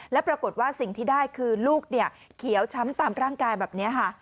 แล้วปรากฏว่าสิ่งที่ได้คือลูกเขียวช้ำตามร่างกายแบบนี้ค่ะ